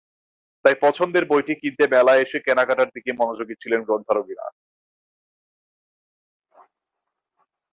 তাই পছন্দের বইটি কিনতে মেলায় এসে কেনাকাটার দিকেই মনোযোগী ছিলেন গ্রন্থানুরাগীরা।